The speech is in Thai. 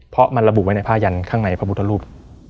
เพราะมันระบุไว้ในผ้ายันข้างในพระพุทธรูป